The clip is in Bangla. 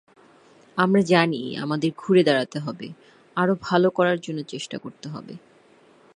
আমরা জানি, আমাদের ঘুরে দাঁড়াতে হবে, আরও ভালো করার চেষ্টা করতে হবে।